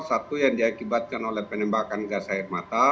satu yang diakibatkan oleh penembakan gas air mata